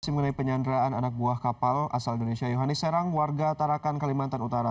simulai penyanderaan anak buah kapal asal indonesia yohanis serang warga tarakan kalimantan utara